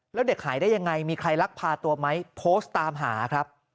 แล้วเด็กหายได้ยังไงมีใครลักพาตัวไหมโพสต์ตามหาครับ